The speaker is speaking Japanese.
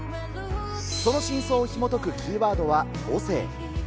その真相をひもとくキーワードは母性。